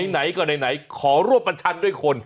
ไหนก็ไหนขอรวบประชันด้วยคน